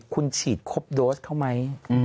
คุณฉีดครบโดสเขาไหม